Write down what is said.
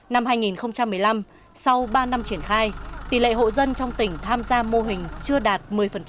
năm hai nghìn một mươi năm sau ba năm triển khai tỷ lệ hộ dân trong tỉnh tham gia mô hình chưa đạt một mươi